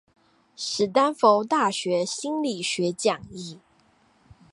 史丹佛大學心理學講義